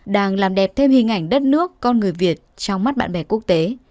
đang làm đẹp thêm hình ảnh đất nước con người việt trong mắt bạn bè quốc tế